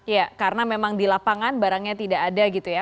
ya karena memang di lapangan barangnya tidak ada gitu ya